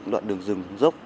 đoạn đường rừng dốc